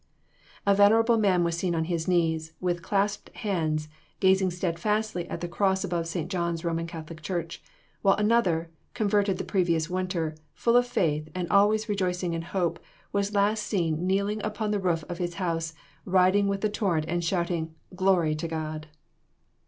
A venerable man was seen upon his knees, with clasped hands, gazing steadfastly at the cross above St. John's Roman Catholic church; while another, converted the previous winter, full of faith, and always rejoicing in hope, was last seen kneeling upon the roof of his house, riding with the torrent, and shouting, "Glory to God."